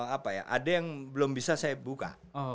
ada yang belum bisa saya buka